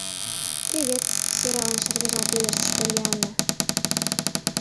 — Привет! — сӧралын шыргыжал пелештыш Поллианна.